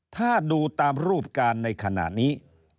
ถ้าดูตามรูปการณ์ในขณะนี้